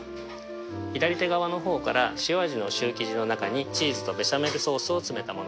左手側の方から塩味のシュー生地の中にチーズとベシャメルソースを詰めたもの。